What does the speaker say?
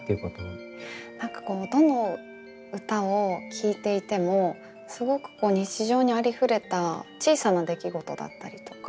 何かどの歌を聴いていてもすごく日常にありふれた小さな出来事だったりとか本当